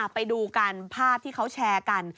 ไปดูกันภาพที่เขาแชร์กัน